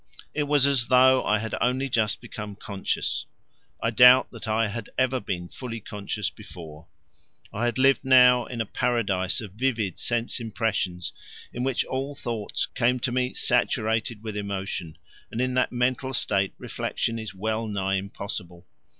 It was as though I had only just become conscious; I doubt that I had ever been fully conscious before. I had lived till now in a paradise of vivid sense impressions in which all thoughts came to me saturated with emotion, and in that mental state reflection is well nigh impossible.